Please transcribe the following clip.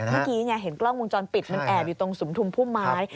เมื่อกี้ไงเห็นกล้องวงจรปิดมันแอบอยู่ตรงสุมทุมพุ่มไม้